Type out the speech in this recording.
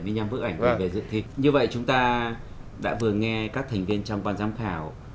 trong sáu trăm bảy mươi năm bức ảnh về dự thịp như vậy chúng ta đã vừa nghe các thành viên trong quan giám khảo